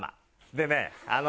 でねあの。